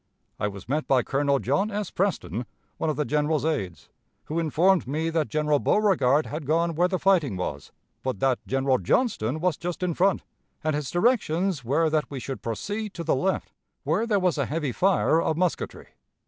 I was met by Colonel John S. Preston, one of the General's aides, who informed me that General Beauregard had gone where the fighting was ... but that General Johnston was just in front, and his directions were that we should proceed to the left, where there was a heavy fire of musketry....